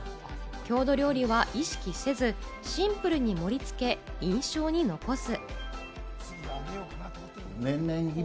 郷土料理は意識せず、シンプルに盛り付け、印象に残す。